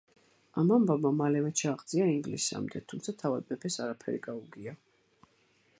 ამ ამბავმა მალევე ჩააღწია ინგლისამდე, თუმცა თავად მეფეს არაფერი გაუგია.